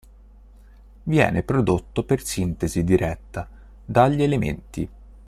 Viene prodotto per sintesi diretta dagli elementi.